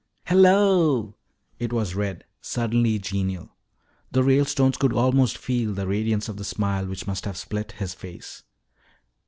"Hello." It was Red, suddenly genial. The Ralestones could almost feel the radiance of the smile which must have split his face.